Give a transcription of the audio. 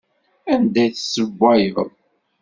Anda ay tessewwayeḍ?